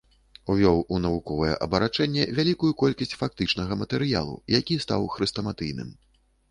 Увёў у навуковае абарачэнне вялікую колькасць фактычнага матэрыялу, які стаў хрэстаматыйным.